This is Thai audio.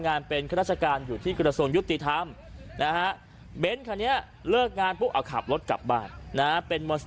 นะฮะเบนคันเนี้ยเลิกงานพวกอะขับรถกลับบ้านนะฮะเป็น